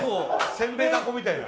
せんべいだこみたいな。